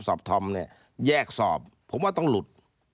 ทอมเนี่ยแยกสอบผมว่าต้องหลุด